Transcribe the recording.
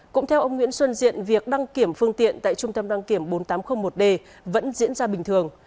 cũng theo ông nguyễn xuân diện việc đăng kiểm phương tiện tại trung tâm đăng kiểm bốn nghìn tám trăm linh một d vẫn diễn ra bình thường